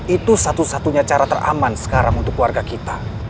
itu satu satunya cara teraman sekarang untuk warga kita